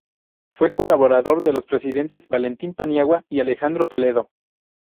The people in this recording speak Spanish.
Fue colaborador de los presidentes Valentín Paniagua y Alejandro Toledo.